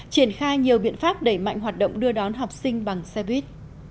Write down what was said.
triển khai nhiều biện pháp đẩy mạnh hoạt động đưa đón học sinh bằng xe buýt